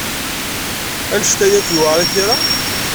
Anect-a akk ay yewɛeṛ i tira?